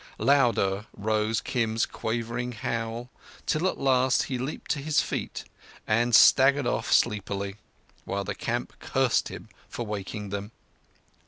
Louder rose Kim's quavering howl, till at last he leaped to his feet and staggered off sleepily, while the camp cursed him for waking them.